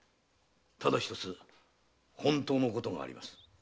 ただひとつ本当のことがあります。